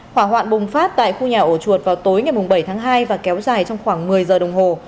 hỏa hoạn bùng phát tại khu nhà ổ chuột vào tối ngày bảy tháng hai và kéo dài trong khoảng một mươi giờ đồng hồ